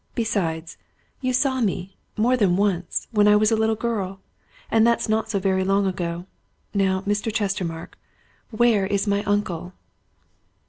Besides you saw me, more than once, when I was a little girl. And that's not so very long ago. Now, Mr. Chestermarke, where is my uncle?"